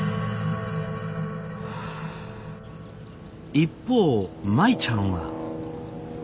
一方舞ちゃんは。